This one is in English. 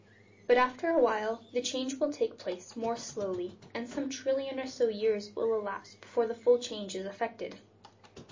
But after a while, the change will take place more slowly, and some trillion or so of years will elapse before the full change is effected.